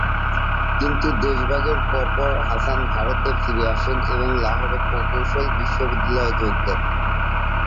কিন্তু দেশভাগের পরপরই হাসান ভারতে ফিরে আসেন এবং লাহোরের প্রকৌশল বিশ্ববিদ্যালয়ে যোগ দেন।